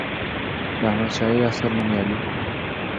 د احمدشاهي عصر نوميالي